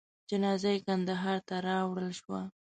جنازه یې کندهار ته راوړل شوه.